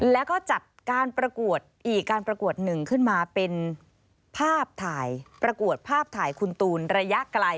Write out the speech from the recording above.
แล้วก็จัดอีกการประกวดหนึ่งขึ้นมาเป็นภาพถ่าย